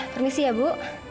permisi ya bu